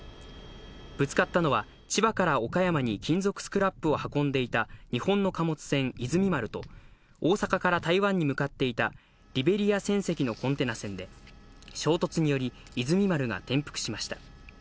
ぶつかったのは千葉から岡山に金属スクラップを運んでいた日本の貨物船「いずみ丸」と大阪から台湾に向かっていたリベリア船籍のコンテナ船で、衝突により「いずみ丸」が転覆しました。